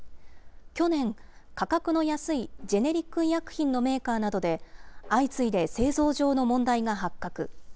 去年、価格の安いジェネリック医薬品のメーカーなどで、相次いで製造上の問題が発覚。